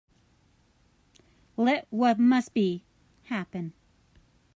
Let what must be, happen.